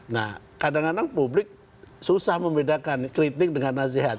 nah kadang kadang publik susah membedakan kritik dengan nasihat